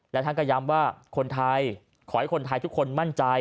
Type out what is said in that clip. และท่านก็ย้ำว่าคนไทยขอให้คนไทยทุกคนมั่นใจ